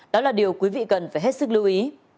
đó là điều quý vị cần phải hết sức lưu ý